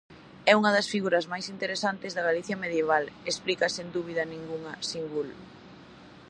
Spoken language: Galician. "É unha das figuras máis interesantes da Galicia medieval", explica sen dúbida ningunha Singul.